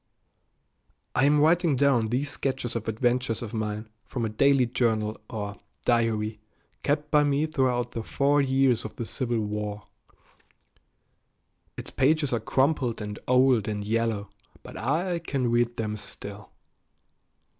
I am writing down these sketches of adventures of mine from a daily journal or diary kept by me throughout the four years of the Civil War. Its pages are crumpled and old and yellow, but I can read them still.